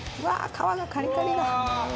皮がカリカリだ。